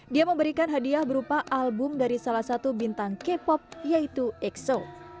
dia memberikan hadiah berupa album dari salah satu bintang k pop yaitu exo